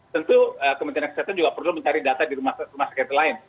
tentu kementerian kesehatan juga perlu mencari data di rumah sakit lain